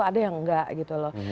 ada yang enggak gitu loh